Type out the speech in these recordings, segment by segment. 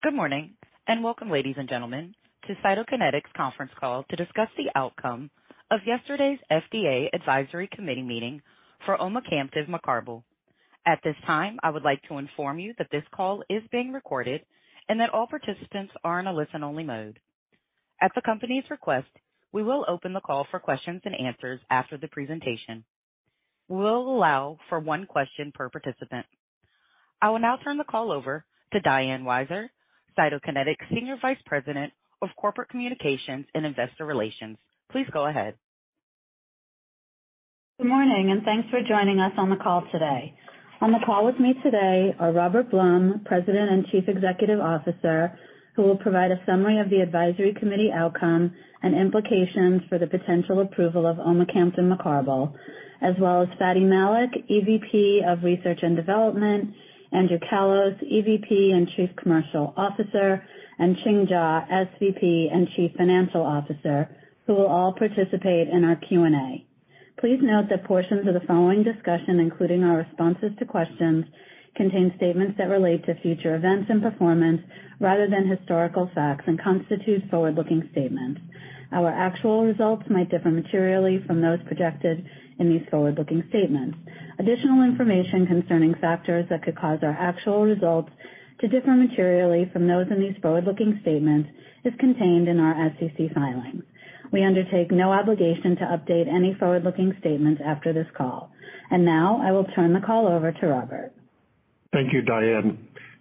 Good morning, and welcome, ladies and gentlemen, to Cytokinetics' conference call to discuss the outcome of yesterday's FDA Advisory Committee meeting for omecamtiv mecarbil. At this time, I would like to inform you that this call is being recorded and that all participants are in a listen-only mode. At the company's request, we will open the call for questions and answers after the presentation. We'll allow for one question per participant. I will now turn the call over to Diane Weiser, Cytokinetics Senior Vice President of Corporate Communications and Investor Relations. Please go ahead. Good morning, and thanks for joining us on the call today. On the call with me today are Robert Blum, President and Chief Executive Officer, who will provide a summary of the advisory committee outcome and implications for the potential approval of omecamtiv mecarbil, as well as Fady Malik, EVP of Research and Development, Andrew Kalos, EVP and Chief Commercial Officer, and Ching W. Jaw, SVP and Chief Financial Officer, who will all participate in our Q&A. Please note that portions of the following discussion, including our responses to questions, contain statements that relate to future events and performance rather than historical facts and constitute forward-looking statements. Our actual results might differ materially from those projected in these forward-looking statements. Additional information concerning factors that could cause our actual results to differ materially from those in these forward-looking statements is contained in our SEC filings. We undertake no obligation to update any forward-looking statements after this call. Now, I will turn the call over to Robert. Thank you, Diane.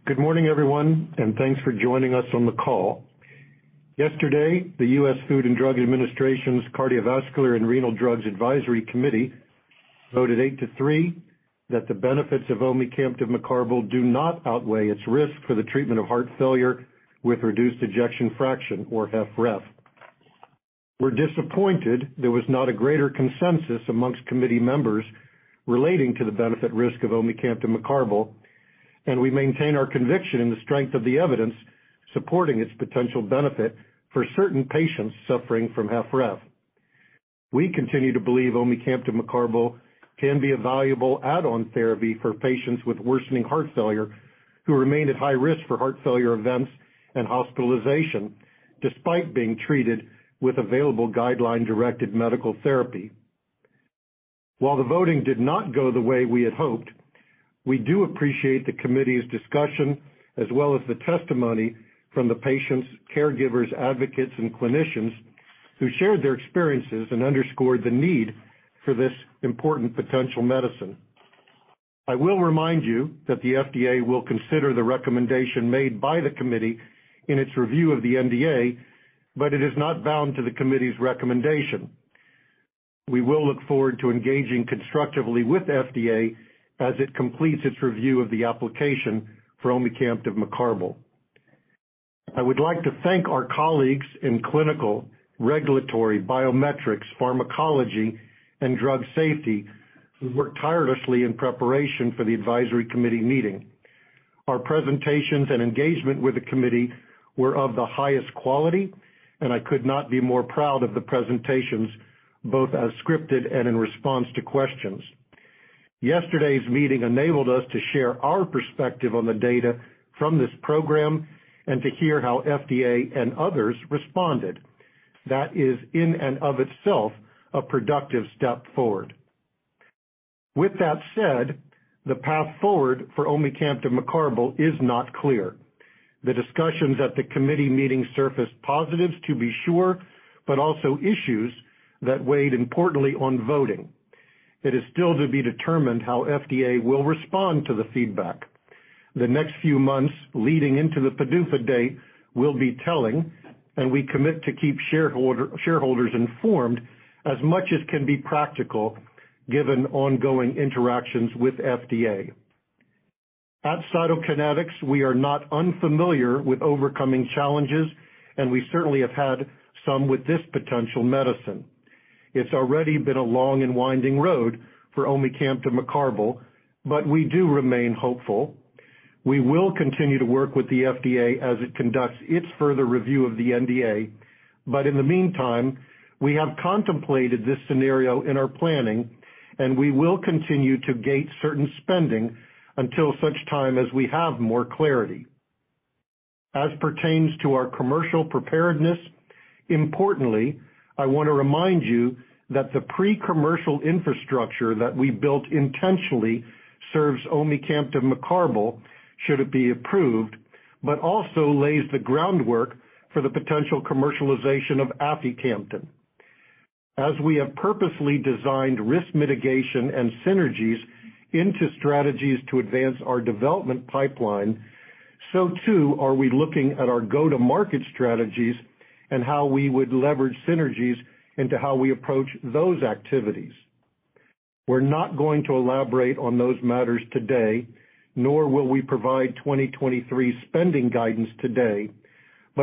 Good morning, everyone, and thanks for joining us on the call. Yesterday, the U.S. Food and Drug Administration's Cardiovascular and Renal Drugs Advisory Committee voted 8 to 3 that the benefits of omecamtiv mecarbil do not outweigh its risk for the treatment of heart failure with reduced ejection fraction or HFrEF. We're disappointed there was not a greater consensus amongst committee members relating to the benefit risk of omecamtiv mecarbil, and we maintain our conviction in the strength of the evidence supporting its potential benefit for certain patients suffering from HFrEF. We continue to believe omecamtiv mecarbil can be a valuable add-on therapy for patients with worsening heart failure who remain at high risk for heart failure events and hospitalization despite being treated with available guideline-directed medical therapy. While the voting did not go the way we had hoped, we do appreciate the committee's discussion as well as the testimony from the patients, caregivers, advocates, and clinicians who shared their experiences and underscored the need for this important potential medicine. I will remind you that the FDA will consider the recommendation made by the committee in its review of the NDA, but it is not bound to the committee's recommendation. We will look forward to engaging constructively with FDA as it completes its review of the application for omecamtiv mecarbil. I would like to thank our colleagues in clinical, regulatory, biometrics, pharmacology, and drug safety who worked tirelessly in preparation for the advisory committee meeting. Our presentations and engagement with the committee were of the highest quality, and I could not be more proud of the presentations, both as scripted and in response to questions. Yesterday's meeting enabled us to share our perspective on the data from this program and to hear how FDA and others responded. That is in and of itself a productive step forward. With that said, the path forward for omecamtiv mecarbil is not clear. The discussions at the committee meeting surfaced positives, to be sure, but also issues that weighed importantly on voting. It is still to be determined how FDA will respond to the feedback. The next few months leading into the PDUFA date will be telling, and we commit to keep shareholders informed as much as can be practical given ongoing interactions with FDA. At Cytokinetics, we are not unfamiliar with overcoming challenges, and we certainly have had some with this potential medicine. It's already been a long and winding road for omecamtiv mecarbil, but we do remain hopeful. We will continue to work with the FDA as it conducts its further review of the NDA. In the meantime, we have contemplated this scenario in our planning, and we will continue to gate certain spending until such time as we have more clarity. As pertains to our commercial preparedness, importantly, I want to remind you that the pre-commercial infrastructure that we built intentionally serves omecamtiv mecarbil, should it be approved, but also lays the groundwork for the potential commercialization of aficamten. As we have purposely designed risk mitigation and synergies into strategies to advance our development pipeline, so too are we looking at our go-to-market strategies and how we would leverage synergies into how we approach those activities. We're not going to elaborate on those matters today, nor will we provide 2023 spending guidance today.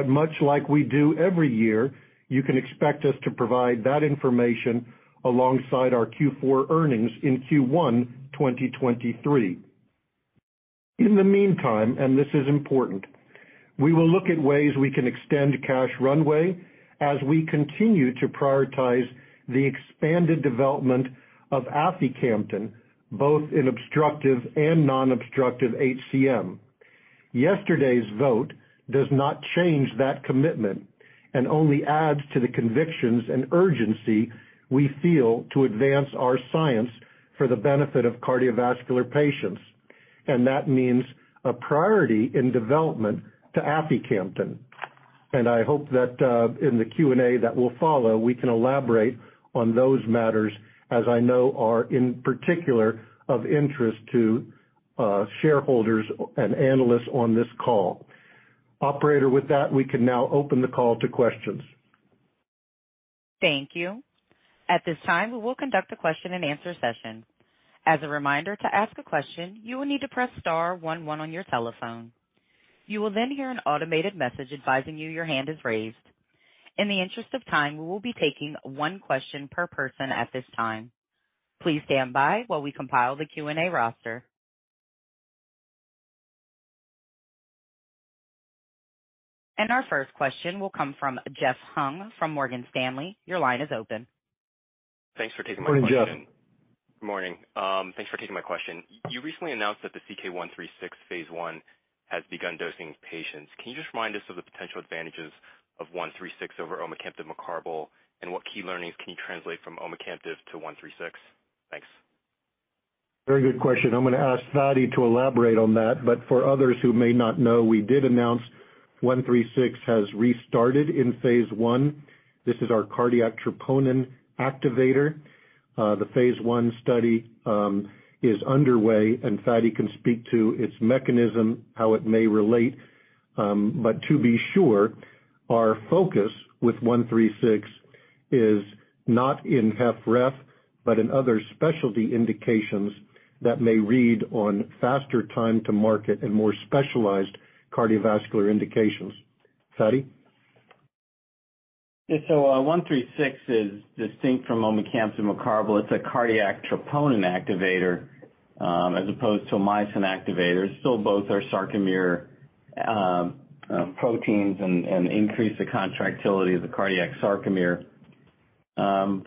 Much like we do every year, you can expect us to provide that information alongside our Q4 earnings in Q1 2023. In the meantime, and this is important, we will look at ways we can extend cash runway as we continue to prioritize the expanded development of aficamten, both in obstructive and non-obstructive HCM. Yesterday's vote does not change that commitment and only adds to the convictions and urgency we feel to advance our science for the benefit of cardiovascular patients. That means a priority in development to aficamten. I hope that in the Q&A that will follow, we can elaborate on those matters, as I know are in particular of interest to shareholders and analysts on this call. Operator, with that, we can now open the call to questions. Thank you. At this time, we will conduct a question-and-answer session. As a reminder, to ask a question, you will need to press star one one on your telephone. You will then hear an automated message advising you your hand is raised. In the interest of time, we will be taking one question per person at this time. Please stand by while we compile the Q&A roster. Our first question will come from Jeff Hung from Morgan Stanley. Your line is open. Morning, Jeff. Thanks for taking my question. Good morning. Thanks for taking my question. You recently announced that the CK-136 phase 1 has begun dosing with patients. Can you just remind us of the potential advantages of 136 over omecamtiv mecarbil? What key learnings can you translate from omecamtiv to 136? Thanks. Very good question. I'm gonna ask Fady to elaborate on that. For others who may not know, we did announce CK-136 has restarted in Phase 1. This is our cardiac troponin activator. The Phase 1 study is underway, and Fady can speak to its mechanism, how it may relate. To be sure, our focus with CK-136 is not in HFrEF, but in other specialty indications that may read on faster time to market and more specialized cardiovascular indications. Fady? CK-136 is distinct from omecamtiv mecarbil. It's a cardiac troponin activator, as opposed to myosin activators. Still both are sarcomere proteins and increase the contractility of the cardiac sarcomere.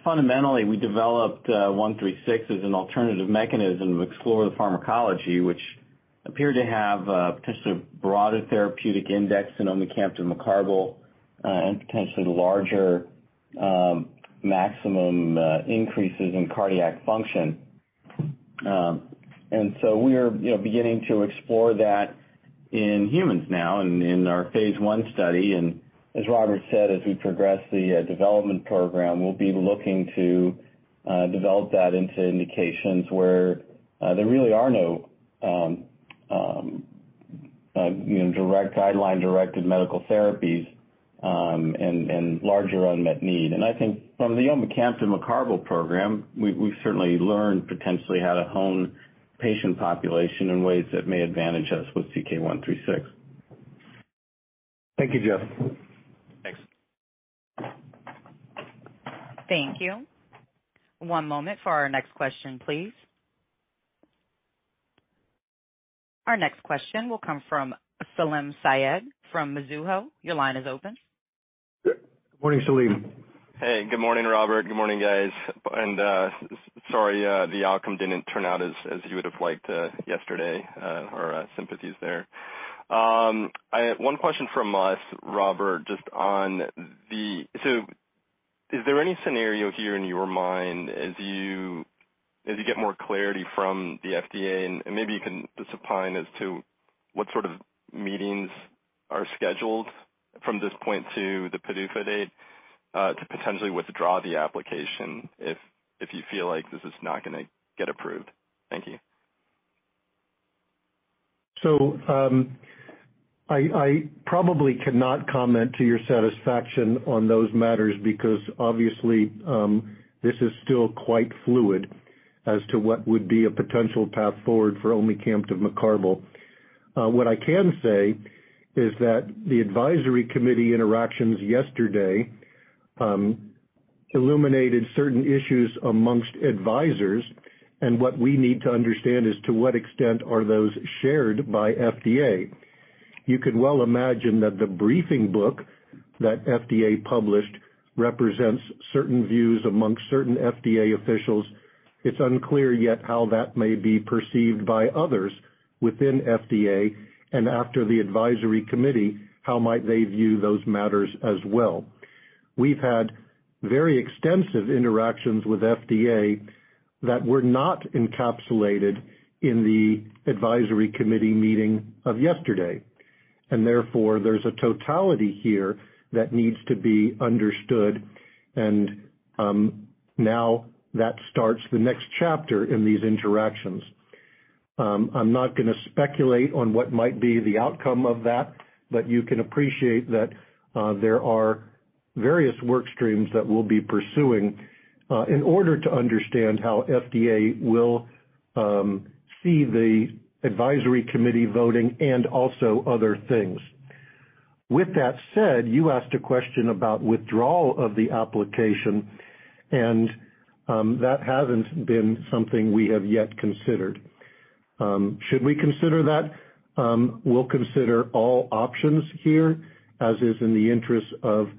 Fundamentally, we developed CK-136 as an alternative mechanism to explore the pharmacology, which appeared to have potentially broader therapeutic index in omecamtiv mecarbil, and potentially larger maximum increases in cardiac function. We are, you know, beginning to explore that in humans now in our Phase 1 study. As Robert said, as we progress the development program, we'll be looking to develop that into indications where there really are no, you know, direct guideline-directed medical therapies, and larger unmet need. I think from the omecamtiv Mecarbil Program, we've certainly learned potentially how to hone patient population in ways that may advantage us with CK-136. Thank you, Jeff. Thanks. Thank you. One moment for our next question, please. Our next question will come from Salim Syed from Mizuho. Your line is open. Good morning, Salim. Hey. Good morning, Robert. Good morning, guys. Sorry, the outcome didn't turn out as you would've liked yesterday. Our sympathies there. I have one question from us, Robert, just on the... Is there any scenario here in your mind as you get more clarity from the FDA, and maybe you can just opine as to what sort of meetings are scheduled from this point to the PDUFA date, to potentially withdraw the application if you feel like this is not gonna get approved? Thank you. I probably cannot comment to your satisfaction on those matters because obviously, this is still quite fluid as to what would be a potential path forward for omecamtiv mecarbil. What I can say is that the advisory committee interactions yesterday, illuminated certain issues amongst advisors, and what we need to understand is to what extent are those shared by FDA. You could well imagine that the briefing book that FDA published represents certain views amongst certain FDA officials. It's unclear yet how that may be perceived by others within FDA, and after the advisory committee, how might they view those matters as well. We've had very extensive interactions with FDA that were not encapsulated in the advisory committee meeting of yesterday. Therefore, there's a totality here that needs to be understood and now that starts the next chapter in these interactions. I'm not gonna speculate on what might be the outcome of that, but you can appreciate that, there are various work streams that we'll be pursuing, in order to understand how FDA will, see the advisory committee voting and also other things. With that said, you asked a question about withdrawal of the application, and that hasn't been something we have yet considered. Should we consider that? We'll consider all options here, as is in the interest of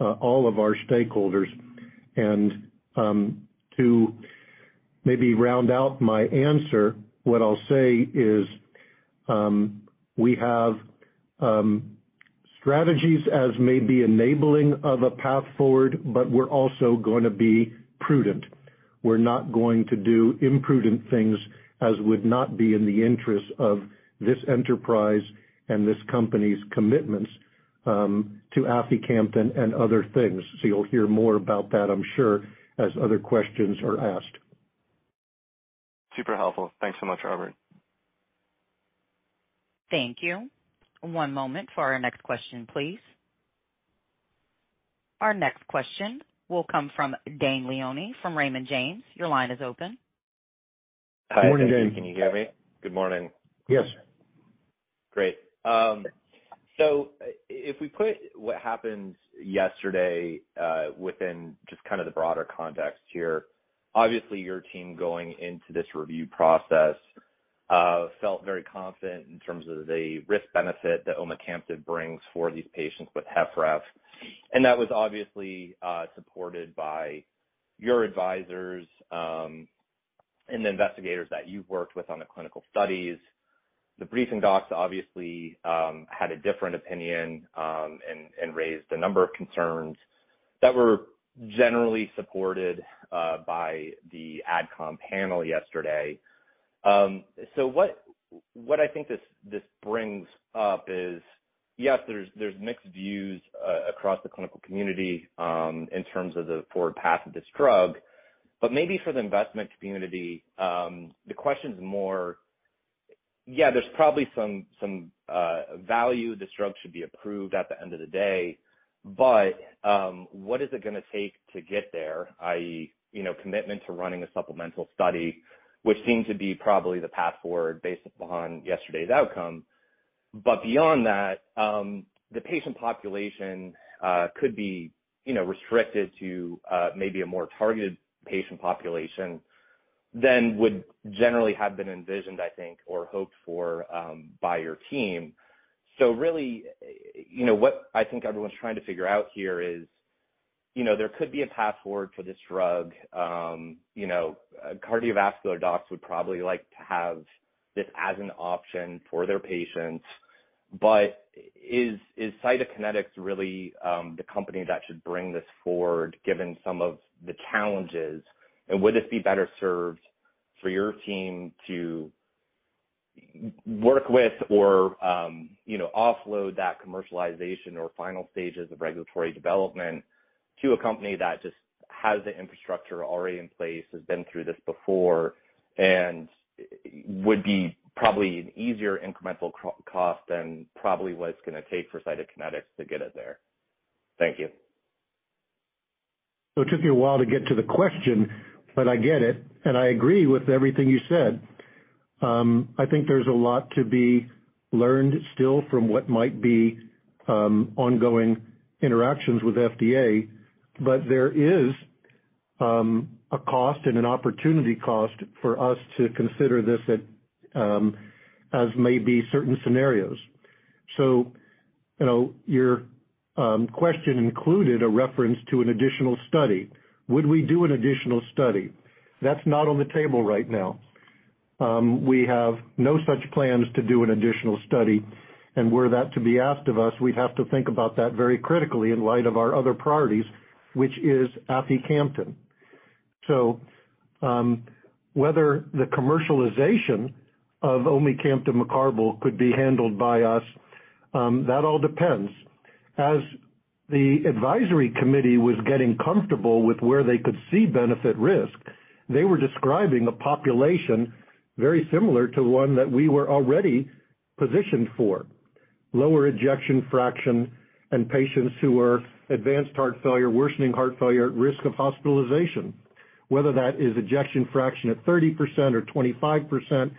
all of our stakeholders. To maybe round out my answer. What I'll say is, we have strategies as may be enabling of a path forward, but we're also gonna be prudent. We're not going to do imprudent things as would not be in the interest of this enterprise and this company's commitments, to aficamten and other things. You'll hear more about that, I'm sure, as other questions are asked. Super helpful. Thanks so much, Robert. Thank you. One moment for our next question, please. Our next question will come from Dane Leone from Raymond James. Your line is open. Morning, Dane. Hi. Thank you. Can you hear me? Good morning. Yes. Great. If we put what happened yesterday, within just kind of the broader context here, obviously your team going into this review process, felt very confident in terms of the risk-benefit that omecamtiv brings for these patients with HFpEF. That was obviously supported by your advisors, and the investigators that you've worked with on the clinical studies. The briefing docs obviously had a different opinion and raised a number of concerns that were generally supported by the AdCom panel yesterday. What I think this brings up is, yes, there's mixed views across the clinical community, in terms of the forward path of this drug. Maybe for the investment community, the question is more, yeah, there's probably some value this drug should be approved at the end of the day, but what is it gonna take to get there, i.e., you know, commitment to running a supplemental study, which seems to be probably the path forward based upon yesterday's outcome. Beyond that, the patient population could be, you know, restricted to maybe a more targeted patient population than would generally have been envisioned, I think, or hoped for, by your team. Really, you know, what I think everyone's trying to figure out here is, you know, there could be a path forward for this drug. You know, cardiovascular docs would probably like to have this as an option for their patients. Is Cytokinetics really, the company that should bring this forward given some of the challenges? Would it be better served for your team to work with or, you know, offload that commercialization or final stages of regulatory development to a company that just has the infrastructure already in place, has been through this before, and would be probably an easier incremental cost than probably what it's gonna take for Cytokinetics to get it there? Thank you. It took me a while to get to the question, but I get it, and I agree with everything you said. I think there's a lot to be learned still from what might be ongoing interactions with FDA. There is a cost and an opportunity cost for us to consider this at as maybe certain scenarios. You know, your question included a reference to an additional study. Would we do an additional study? That's not on the table right now. We have no such plans to do an additional study, and were that to be asked of us, we'd have to think about that very critically in light of our other priorities, which is aficamten. Whether the commercialization of omecamtiv mecarbil could be handled by us, that all depends. As the advisory committee was getting comfortable with where they could see benefit risk, they were describing a population very similar to one that we were already positioned for. Lower ejection fraction in patients who were advanced heart failure, worsening heart failure, at risk of hospitalization. Whether that is ejection fraction at 30% or 25%,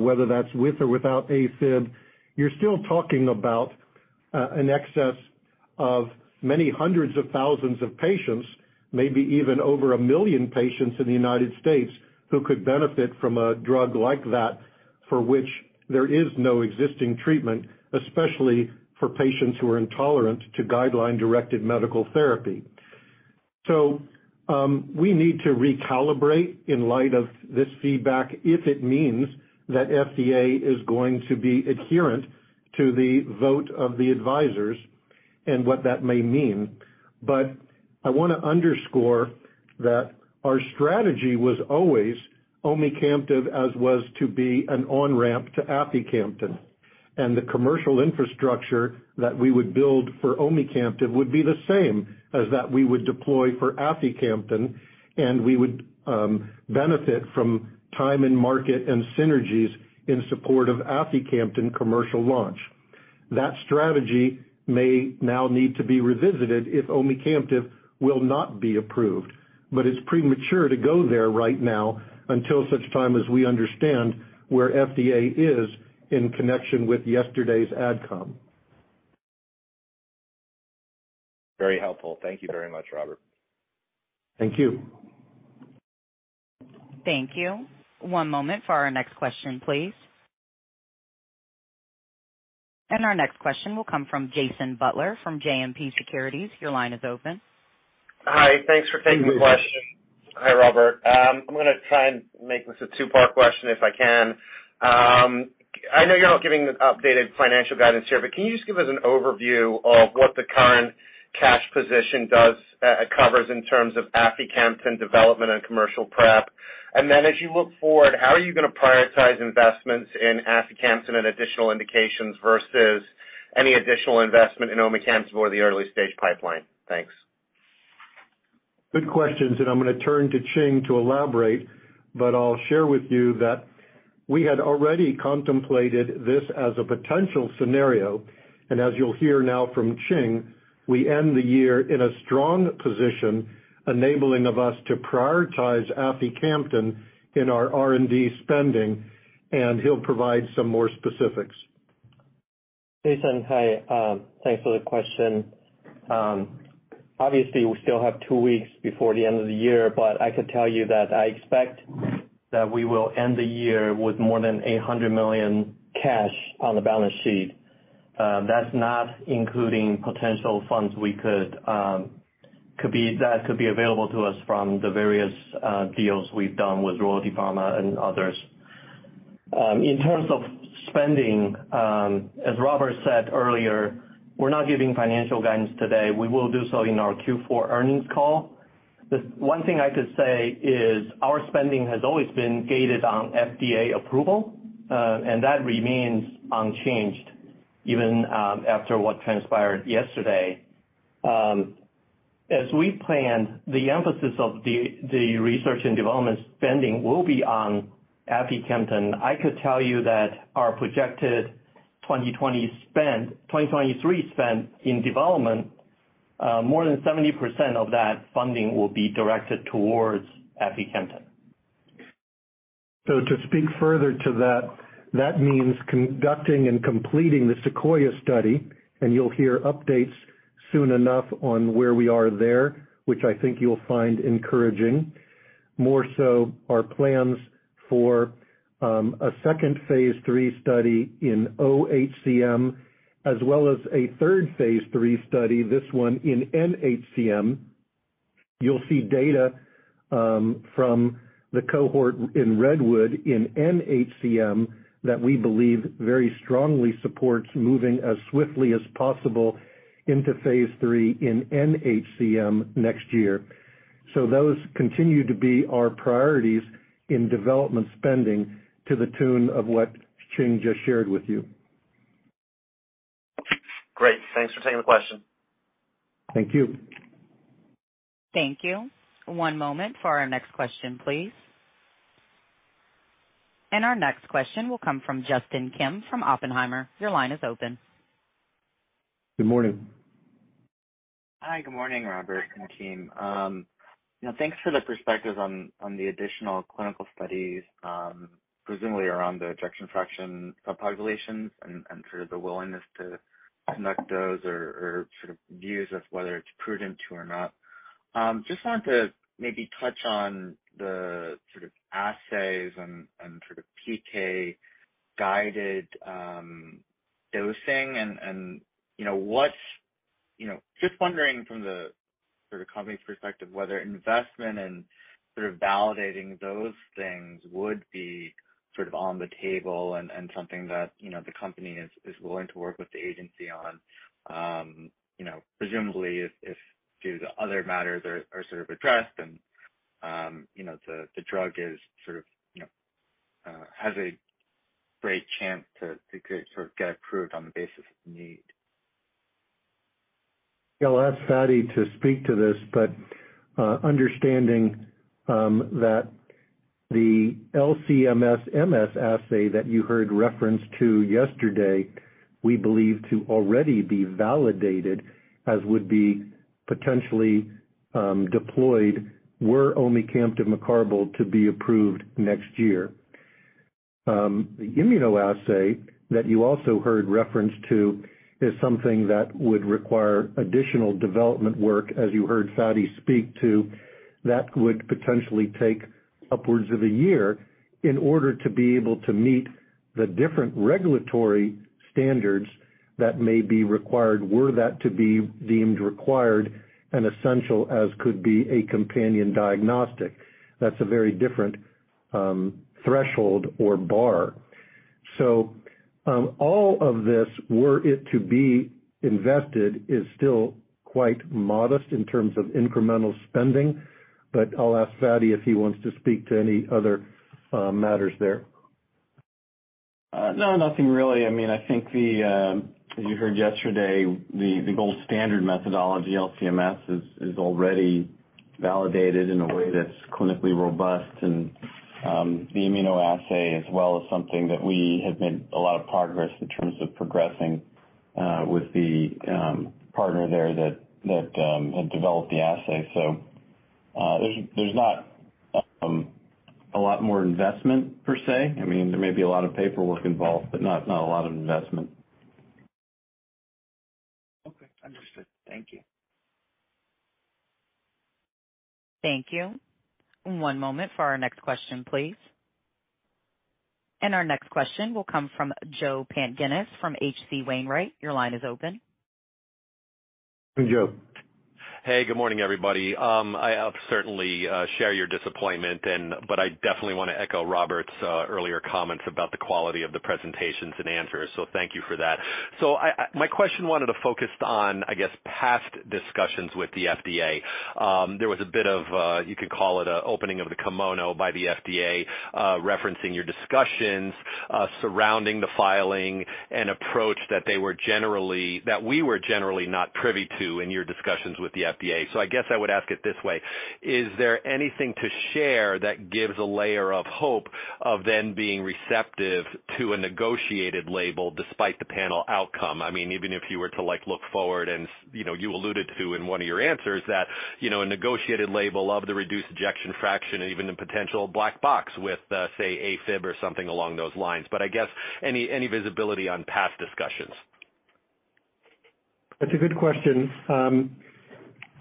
whether that's with or without AFib, you're still talking about an excess of many hundreds of thousands of patients, maybe even over 1 million patients in the United States, who could benefit from a drug like that for which there is no existing treatment, especially for patients who are intolerant to guideline-directed medical therapy. We need to recalibrate in light of this feedback if it means that FDA is going to be adherent to the vote of the advisors and what that may mean. I wanna underscore that our strategy was always omecamtiv as was to be an on-ramp to aficamten. The commercial infrastructure that we would build for omecamtiv would be the same as that we would deploy for aficamten, and we would benefit from time and market and synergies in support of aficamten commercial launch. That strategy may now need to be revisited if omecamtiv will not be approved. It's premature to go there right now until such time as we understand where FDA is in connection with yesterday's AdCom. Very helpful. Thank you very much, Robert. Thank you. Thank you. One moment for our next question, please. Our next question will come from Jason Butler from JMP Securities. Your line is open. Hi. Thanks for taking the question. Hi, Robert. I'm gonna try and make this a 2-part question if I can. I know you're not giving an updated financial guidance here, but can you just give us an overview of what the current cash position does, covers in terms of aficamten development and commercial prep? Then as you look forward, how are you gonna prioritize investments in aficamten and additional indications versus any additional investment in omecamtiv or the early-stage pipeline? Thanks. Good questions, and I'm gonna turn to Ching to elaborate, but I'll share with you that we had already contemplated this as a potential scenario. As you'll hear now from Ching, we end the year in a strong position, enabling of us to prioritize aficamten in our R&D spending, and he'll provide some more specifics. Jason, hi, thanks for the question. Obviously, we still have two weeks before the end of the year, but I could tell you that I expect that we will end the year with more than $800 million cash on the balance sheet. That's not including potential funds we could be, that could be available to us from the various deals we've done with Royalty Pharma and others. In terms of spending, as Robert said earlier, we're not giving financial guidance today. We will do so in our Q4 earnings call. The one thing I could say is our spending has always been gated on FDA approval, and that remains unchanged even after what transpired yesterday. As we planned, the emphasis of the research and development spending will be on aficamten. I could tell you that our projected 2020 spend, 2023 spend in development, more than 70% of that funding will be directed towards aficamten. To speak further to that means conducting and completing the SEQUOIA-HCM study, and you'll hear updates soon enough on where we are there, which I think you'll find encouraging. More so our plans for a second Phase 3 study in OHCM, as well as a third Phase 3 study, this one in NHCM. You'll see data from the cohort in REDWOOD-HCM in NHCM that we believe very strongly supports moving as swiftly as possible into Phase 3 in NHCM next year. Those continue to be our priorities in development spending to the tune of what Ching just shared with you. Great. Thanks for taking the question. Thank you. Thank you. One moment for our next question, please. Our next question will come from Justin Kim from Oppenheimer. Your line is open. Good morning. Hi. Good morning, Robert and the team, you know, thanks for the perspectives on the additional clinical studies, presumably around the ejection fraction subpopulations and sort of the willingness to conduct those or sort of views of whether it's prudent to or not. Just wanted to maybe touch on the sort of assays and sort of PK-guided dosing and you know what's just wondering from the sort of company's perspective, whether investment and sort of validating those things would be sort of on the table and something that, you know, the company is willing to work with the agency on, you know, presumably if due to other matters are sort of addressed and, you know, the drug is sort of, you know, has a great chance to sort of get approved on the basis of need. I'll ask Fady to speak to this, but understanding that the LC-MS/MS assay that you heard referenced to yesterday, we believe to already be validated as would be potentially deployed were omecamtiv mecarbil to be approved next year. The immunoassay that you also heard referenced to is something that would require additional development work, as you heard Fady speak to. That would potentially take upwards of a year in order to be able to meet the different regulatory standards that may be required were that to be deemed required and essential as could be a companion diagnostic. That's a very different threshold or bar. All of this were it to be invested is still quite modest in terms of incremental spending. I'll ask Fady if he wants to speak to any other matters there. No, nothing really. I mean, I think the, as you heard yesterday, the gold standard methodology LC-MS is already validated in a way that's clinically robust. The immunoassay as well is something that we have made a lot of progress in terms of progressing with the partner there that had developed the assay. There's not a lot more investment per se. I mean, there may be a lot of paperwork involved, but not a lot of investment. Okay. Understood. Thank you. Thank you. One moment for our next question, please. Our next question will come from Joe Pantginis from H.C. Wainwright. Your line is open. Joe. Hey, good morning, everybody. I certainly share your disappointment. I definitely wanna echo Robert's earlier comments about the quality of the presentations and answers. Thank you for that. My question wanted to focus on, I guess, past discussions with the FDA. There was a bit of a, you could call it an opening of the kimono by the FDA, referencing your discussions, surrounding the filing and approach that we were generally not privy to in your discussions with the FDA. I guess I would ask it this way: Is there anything to share that gives a layer of hope of them being receptive to a negotiated label despite the panel outcome? I mean, even if you were to, like, look forward and, you know, you alluded to in one of your answers that, you know, a negotiated label of the reduced ejection fraction and even the potential black box with, say, AFib or something along those lines. I guess any visibility on past discussions? That's a good question.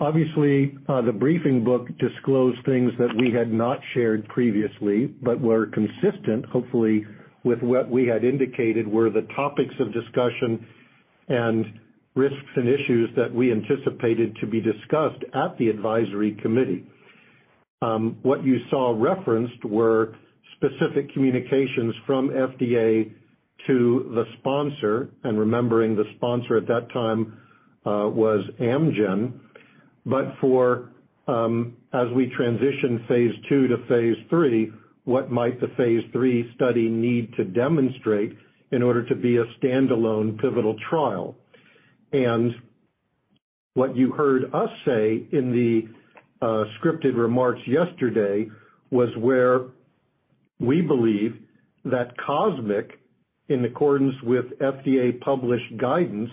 Obviously, the briefing book disclosed things that we had not shared previously but were consistent, hopefully, with what we had indicated were the topics of discussion and risks and issues that we anticipated to be discussed at the advisory committee. What you saw referenced were specific communications from FDA to the sponsor, and remembering the sponsor at that time, was Amgen. As we transition Phase 2 to Phase 3, what might the Phase 3 study need to demonstrate in order to be a standalone pivotal trial? What you heard us say in the scripted remarks yesterday was where we believe that COSMIC-HF, in accordance with FDA-published guidance,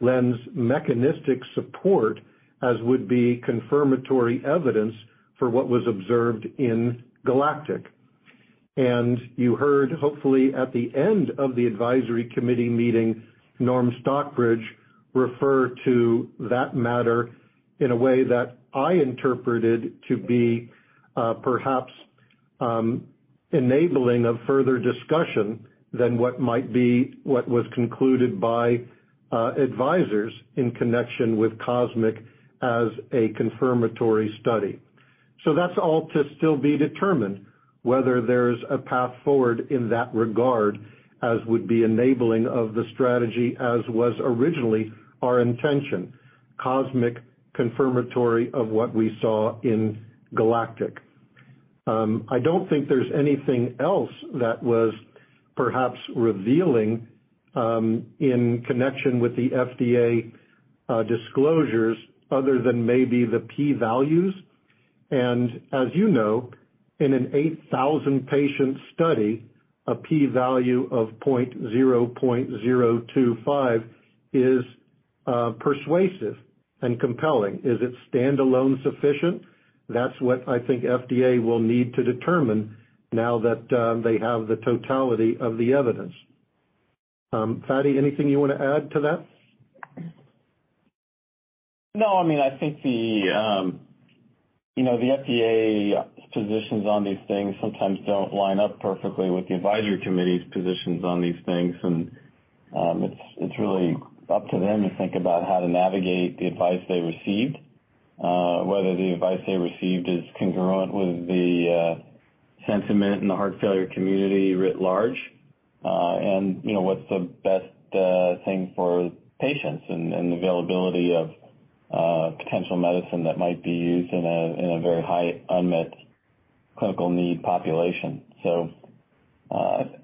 lends mechanistic support as would be confirmatory evidence for what was observed in GALACTIC-HF. You heard, hopefully, at the end of the advisory committee meeting, Norman Stockbridge refer to that matter in a way that I interpreted to be perhaps enabling of further discussion than what might be what was concluded by advisors in connection with COSMIC-HF as a confirmatory study. That's all to still be determined whether there's a path forward in that regard as would be enabling of the strategy as was originally our intention, COSMIC-HF confirmatory of what we saw in GALACTIC-HF. I don't think there's anything else that was perhaps revealing in connection with the FDA disclosures other than maybe the P values. As you know, in an 8,000 patient study, a P value of 0.025 is persuasive and compelling. Is it standalone sufficient? That's what I think FDA will need to determine now that they have the totality of the evidence. Fady, anything you wanna add to that? No. I mean, I think the, you know, the FDA positions on these things sometimes don't line up perfectly with the advisory committee's positions on these things. It's, it's really up to them to think about how to navigate the advice they received, whether the advice they received is congruent with the sentiment in the heart failure community writ large, and you know, what's the best thing for patients and availability of potential medicine that might be used in a, in a very high unmet clinical need population.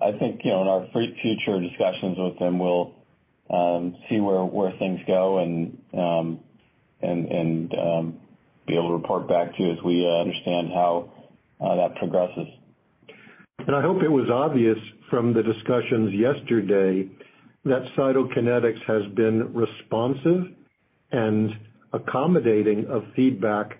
I think, you know, in our future discussions with them, we'll, see where things go and, and, be able to report back to you as we understand how, that progresses. I hope it was obvious from the discussions yesterday that Cytokinetics has been responsive and accommodating of feedback,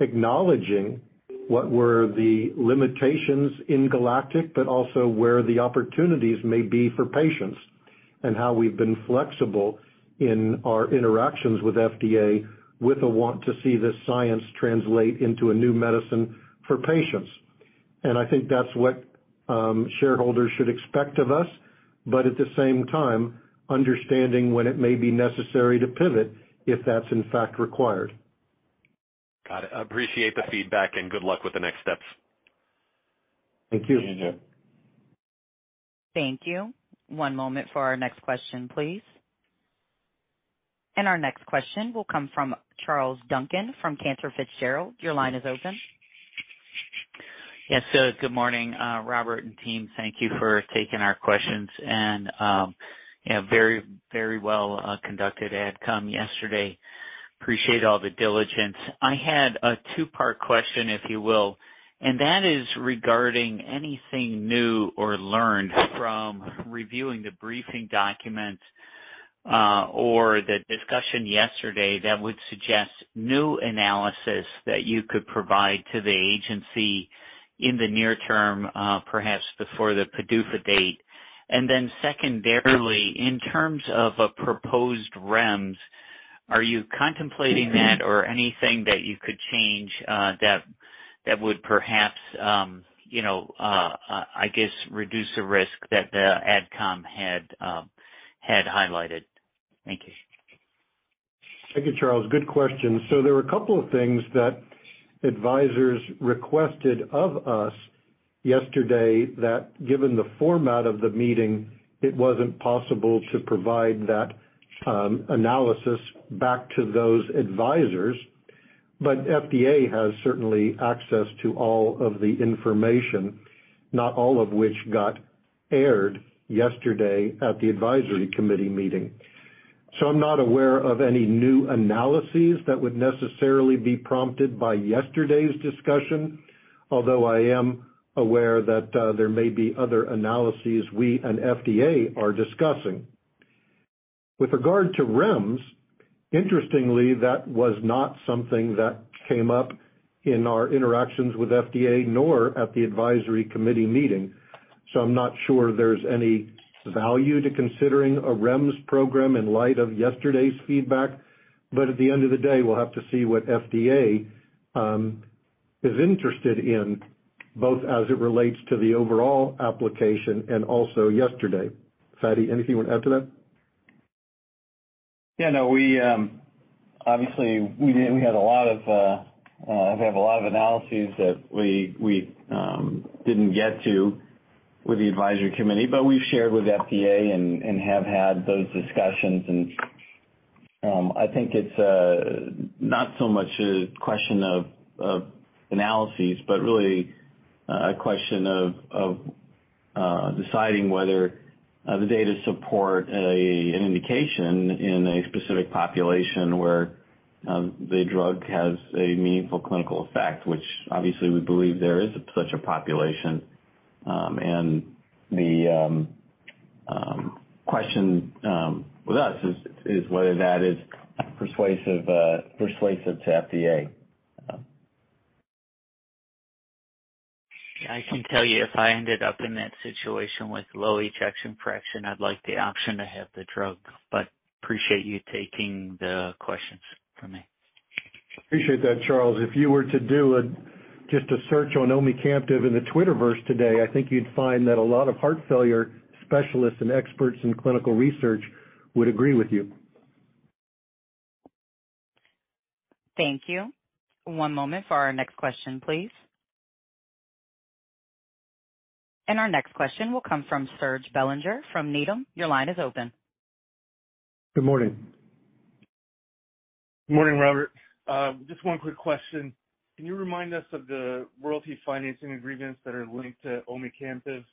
acknowledging what were the limitations in GALACTIC-HF, but also where the opportunities may be for patients, and how we've been flexible in our interactions with FDA with a want to see this science translate into a new medicine for patients. I think that's what shareholders should expect of us, but at the same time, understanding when it may be necessary to pivot if that's in fact required. Got it. I appreciate the feedback and good luck with the next steps. Thank you. Thank you. Thank you. One moment for our next question, please. Our next question will come from Charles Duncan from Cantor Fitzgerald. Your line is open. Yes. Good morning, Robert and team. Thank you for taking our questions and a very, very well conducted outcome yesterday. Appreciate all the diligence. I had a two-part question, if you will, and that is regarding anything new or learned from reviewing the briefing document or the discussion yesterday that would suggest new analysis that you could provide to the agency in the near term, perhaps before the PDUFA date. Secondarily, in terms of a proposed REMS, are you contemplating that or anything that you could change that would perhaps, you know, I guess, reduce the risk that the AdCom had highlighted? Thank you. Thank you, Charles. Good question. There were a couple of things that advisors requested of us yesterday that given the format of the meeting, it wasn't possible to provide that analysis back to those advisors. FDA has certainly access to all of the information, not all of which got aired yesterday at the Advisory Committee meeting. I'm not aware of any new analyses that would necessarily be prompted by yesterday's discussion, although I am aware that there may be other analyses we and FDA are discussing. With regard to REMS, interestingly, that was not something that came up in our interactions with FDA nor at the Advisory Committee meeting. I'm not sure there's any value to considering a REMS program in light of yesterday's feedback. At the end of the day, we'll have to see what FDA is interested in, both as it relates to the overall application and also yesterday. Fady, anything you want to add to that? No, we, obviously, we had a lot of, we have a lot of analyses that we didn't get to with the advisory committee, but we've shared with FDA and have had those discussions. I think it's not so much a question of analyses, but really a question of deciding whether the data support an indication in a specific population where the drug has a meaningful clinical effect, which obviously we believe there is such a population. The question with us is whether that is persuasive to FDA. I can tell you if I ended up in that situation with low ejection fraction, I'd like the option to have the drug. Appreciate you taking the questions from me. Appreciate that, Charles. If you were to do a, just a search on omecamtiv in the Twitterverse today, I think you'd find that a lot of heart failure specialists and experts in clinical research would agree with you. Thank you. One moment for our next question, please. Our next question will come from Serge Belanger from Needham. Your line is open. Good morning. Good morning, Robert. Just one quick question. Can you remind us of the royalty financing agreements that are linked to omecamtiv?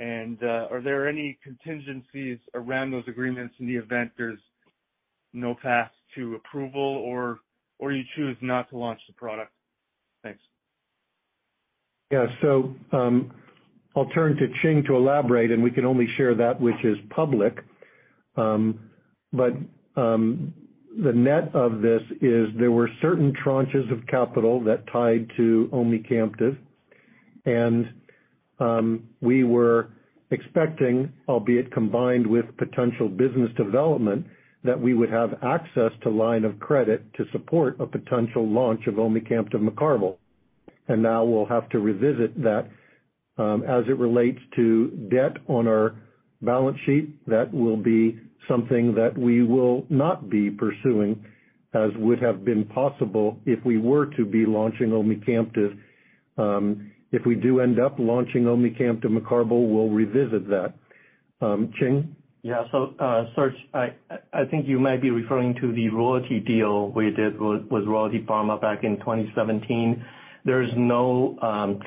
Are there any contingencies around those agreements in the event there's no path to approval or you choose not to launch the product? Thanks. I'll turn to Ching to elaborate, and we can only share that which is public. The net of this is there were certain tranches of capital that tied to omecamtiv. We were expecting, albeit combined with potential business development, that we would have access to line of credit to support a potential launch of omecamtiv mecarbil. Now we'll have to revisit that, as it relates to debt on our balance sheet. That will be something that we will not be pursuing, as would have been possible if we were to be launching omecamtiv. If we do end up launching omecamtiv mecarbil, we'll revisit that. Ching? Serge, I think you might be referring to the royalty deal we did with Royalty Pharma back in 2017. There is no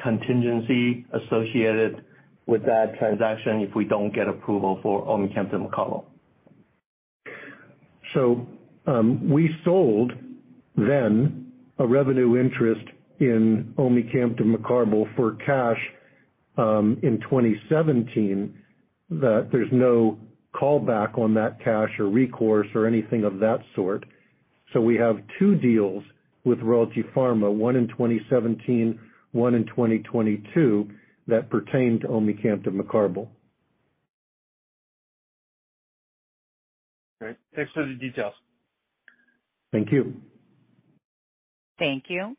contingency associated with that transaction if we don't get approval for omecamtiv mecarbil. We sold then a revenue interest in omecamtiv mecarbil for cash in 2017, that there's no call back on that cash or recourse or anything of that sort. We have 2 deals with Royalty Pharma, one in 2017, one in 2022, that pertain to omecamtiv mecarbil. Great. Thanks for the details. Thank you. Thank you.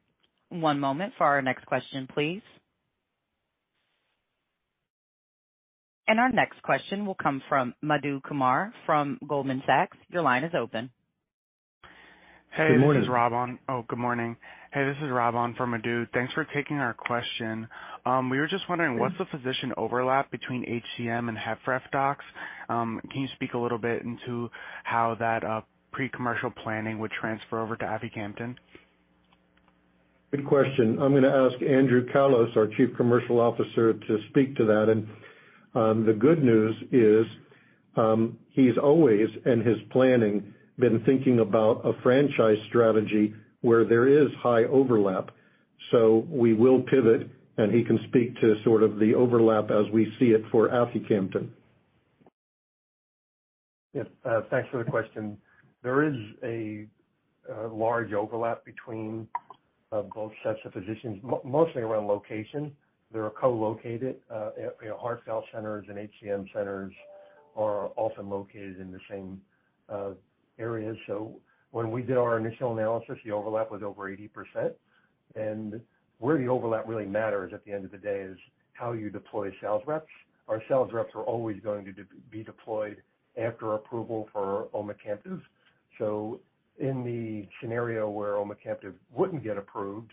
One moment for our next question, please. Our next question will come from Madhu Kumar from Goldman Sachs. Your line is open. Good morning. Good morning. Hey, this is Robert Blum on for Madhu Kumar. Thanks for taking our question. We were just wondering what's the physician overlap between HCM and HFrEF docs. Can you speak a little bit into how that pre-commercial planning would transfer over to aficamten? Good question. I'm gonna ask Andrew Kalos, our Chief Commercial Officer, to speak to that. The good news is, he's always in his planning, been thinking about a franchise strategy where there is high overlap. We will pivot, and he can speak to sort of the overlap as we see it for aficamten. Thanks for the question. There is a large overlap between both sets of physicians, mostly around location. They are co-located. You know, heart cell centers and HCM centers are also located in the same areas. When we did our initial analysis, the overlap was over 80%. Where the overlap really matters at the end of the day is how you deploy sales reps. Our sales reps are always going to be deployed after approval for omecamtiv. In the scenario where omecamtiv wouldn't get approved,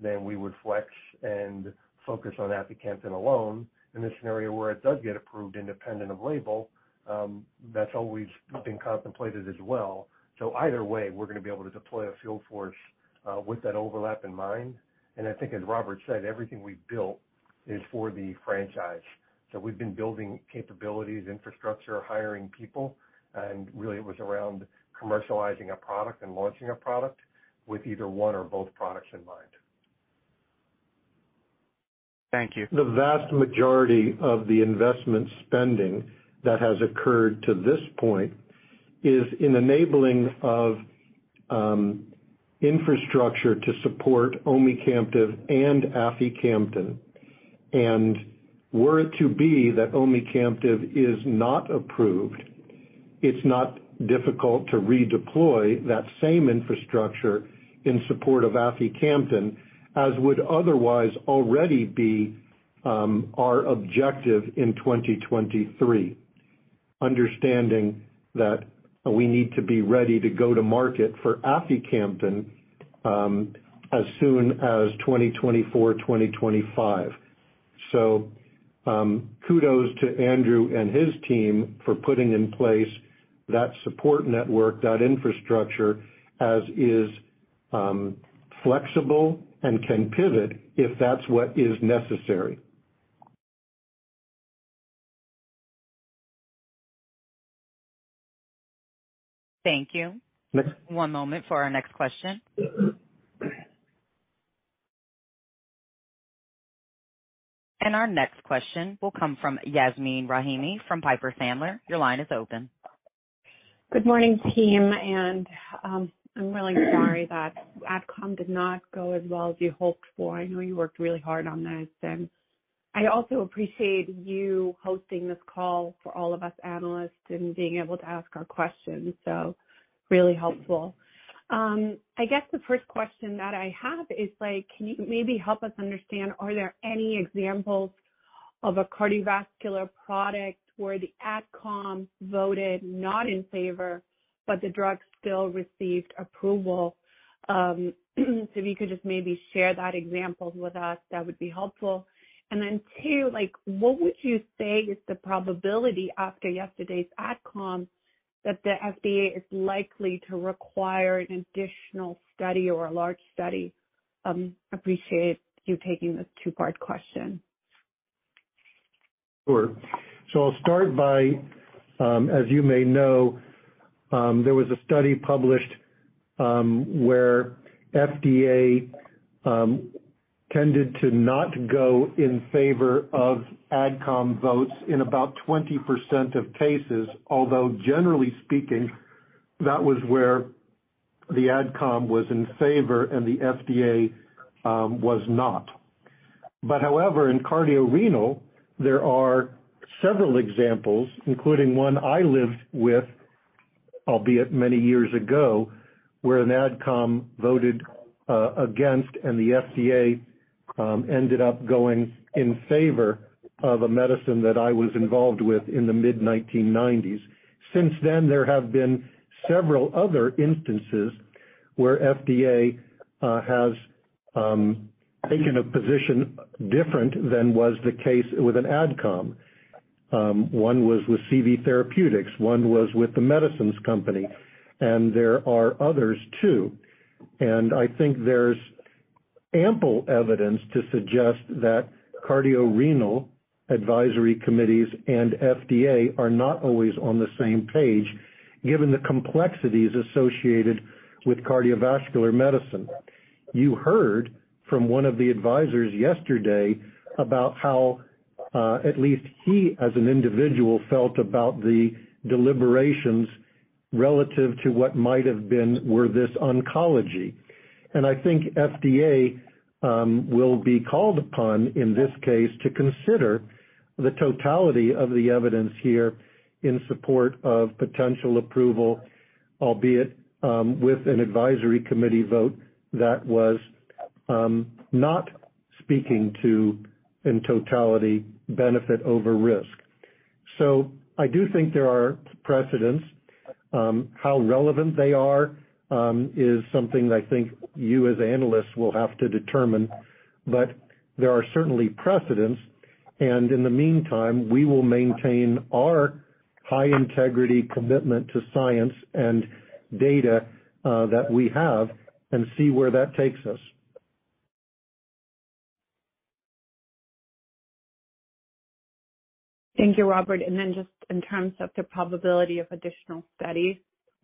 then we would flex and focus on aficamten alone. In the scenario where it does get approved independent of label, that's always been contemplated as well. Either way, we're gonna be able to deploy a field force with that overlap in mind. I think as Robert said, everything we've built is for the franchise. We've been building capabilities, infrastructure, hiring people, and really it was around commercializing a product and launching a product with either one or both products in mind. Thank you. The vast majority of the investment spending that has occurred to this point is in enabling of infrastructure to support omecamtiv and aficamten. Were it to be that omecamtiv is not approved, it's not difficult to redeploy that same infrastructure in support of aficamten, as would otherwise already be our objective in 2023. Understanding that we need to be ready to go to market for aficamten, as soon as 2024, 2025. Kudos to Andrew and his team for putting in place that support network, that infrastructure, as is flexible and can pivot if that's what is necessary. Thank you. One moment for our next question. Our next question will come from Yasmeen Rahimi from Piper Sandler. Your line is open. Good morning, team. I'm really sorry that AdCom did not go as well as you hoped for. I know you worked really hard on this. I also appreciate you hosting this call for all of us analysts and being able to ask our questions. Really helpful. I guess the first question that I have is like, can you maybe help us understand, are there any examples of a cardiovascular product where the AdCom voted not in favor, but the drug still received approval? If you could just maybe share that example with us, that would be helpful. 2, like, what would you say is the probability after yesterday's AdCom that the FDA is likely to require an additional study or a large study? Appreciate you taking this two-part question. Sure. I'll start by, as you may know, there was a study published, where FDA tended to not go in favor of AdCom votes in about 20% of cases, although generally speaking, that was where the AdCom was in favor and the FDA was not. However, in cardiorenal, there are several examples, including one I lived with, albeit many years ago, where an AdCom voted against and the FDA ended up going in favor of a medicine that I was involved with in the mid-1990s. Since then, there have been several other instances where FDA has taken a position different than was the case with an AdCom. One was with CV Therapeutics, one was with The Medicines Company, and there are others too. I think there's ample evidence to suggest that Cardiorenal Advisory Committees and FDA are not always on the same page, given the complexities associated with cardiovascular medicine. You heard from one of the advisors yesterday about how, at least he, as an individual, felt about the deliberations relative to what might have been were this oncology. I think FDA will be called upon in this case to consider the totality of the evidence here in support of potential approval, albeit, with an advisory committee vote that was not speaking to, in totality, benefit over risk. I do think there are precedents. How relevant they are, is something I think you as analysts will have to determine. There are certainly precedents. In the meantime, we will maintain our high integrity commitment to science and data, that we have and see where that takes us. Thank you, Robert. Then just in terms of the probability of additional studies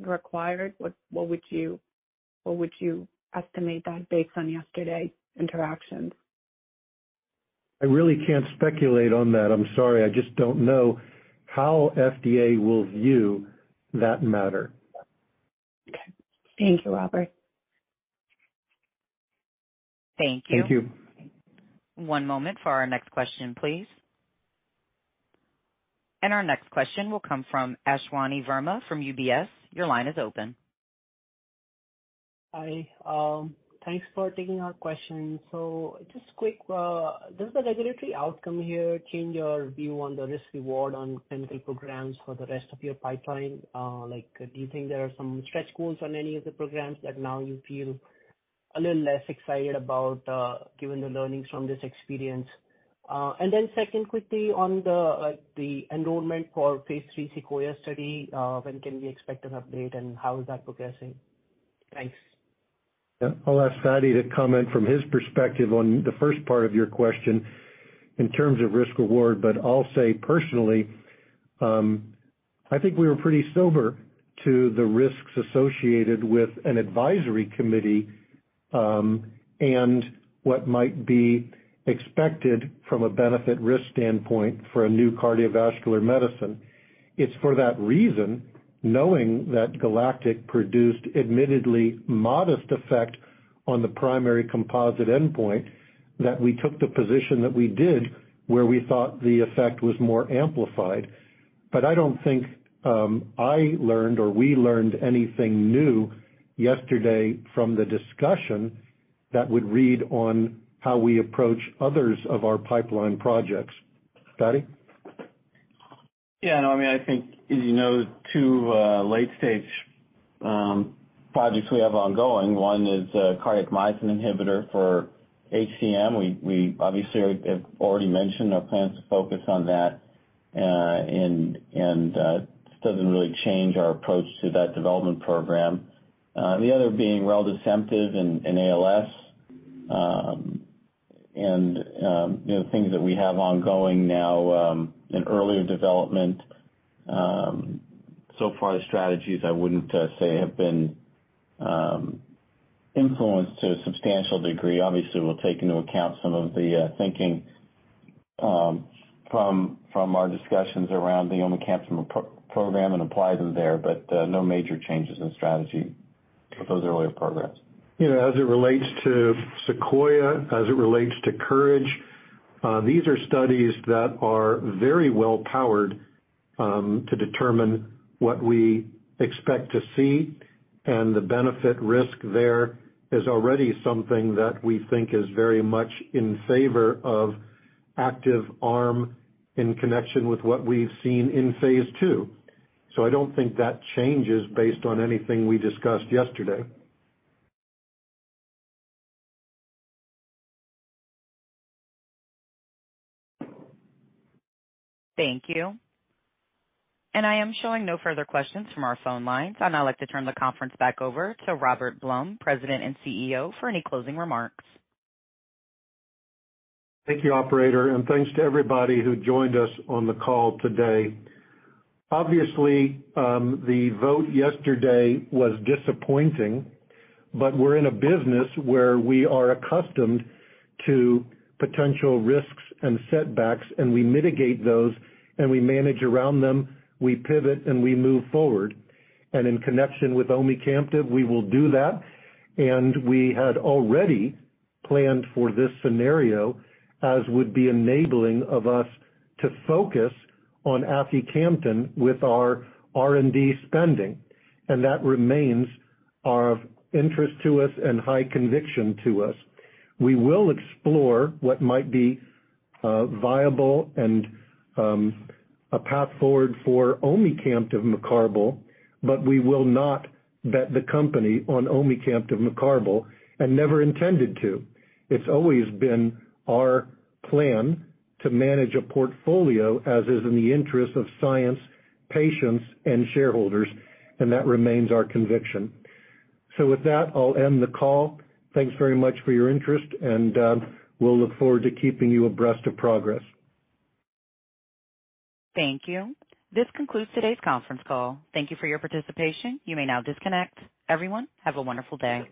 required, what would you estimate that based on yesterday interactions? I really can't speculate on that. I'm sorry. I just don't know how FDA will view that matter. Okay. Thank you, Robert. Thank you. Thank you. One moment for our next question, please. Our next question will come from Ashwani Verma from UBS. Your line is open. Hi, thanks for taking our question. Just quick, does the regulatory outcome here change your view on the risk/reward on clinical programs for the rest of your pipeline? Like, do you think there are some stretch goals on any of the programs that now you feel a little less excited about, given the learnings from this experience? Second, quickly on the enrollment for Phase 3 SEQUOIA study, when can we expect an update, and how is that progressing? Thanks. I'll ask Fady to comment from his perspective on the first part of your question in terms of risk/reward. I'll say personally, I think we were pretty sober to the risks associated with an advisory committee, and what might be expected from a benefit risk standpoint for a new cardiovascular medicine. It's for that reason, knowing that GALACTIC-HF produced admittedly modest effect on the primary composite endpoint, that we took the position that we did, where we thought the effect was more amplified. I don't think, I learned or we learned anything new yesterday from the discussion that would read on how we approach others of our pipeline projects. Fady? I mean, I think as you know, two late stage projects we have ongoing. One is a cardiac myosin inhibitor for HCM. We obviously have already mentioned our plans to focus on that, and this doesn't really change our approach to that development program. The other being reldesemtiv in ALS. You know, things that we have ongoing now in earlier development, so far the strategies I wouldn't say have been influenced to a substantial degree. Obviously, we'll take into account some of the thinking from our discussions around omecamtiv mecarbil program and apply them there, no major changes in strategy for those earlier programs. You know, as it relates to SEQUOIA, as it relates to COURAGE-ALS, these are studies that are very well powered, to determine what we expect to see and the benefit risk there is already something that we think is very much in favor of active arm in connection with what we've seen in Phase 2. I don't think that changes based on anything we discussed yesterday. Thank you. I am showing no further questions from our phone lines. I'd now like to turn the conference back over to Robert Blum, President and CEO, for any closing remarks. Thank you, operator, thanks to everybody who joined us on the call today. Obviously, the vote yesterday was disappointing, we're in a business where we are accustomed to potential risks and setbacks, and we mitigate those, and we manage around them. We pivot, and we move forward. In connection with omecamtiv, we will do that. We had already planned for this scenario, as would be enabling of us to focus on aficamten with our R&D spending. That remains our interest to us and high conviction to us. We will explore what might be viable and a path forward for omecamtiv mecarbil, but we will not bet the company on omecamtiv mecarbil and never intended to. It's always been our plan to manage a portfolio as is in the interest of science, patients and shareholders, and that remains our conviction. With that, I'll end the call. Thanks very much for your interest, and we'll look forward to keeping you abreast of progress. Thank you. This concludes today's conference call. Thank you for your participation. You may now disconnect. Everyone, have a wonderful day.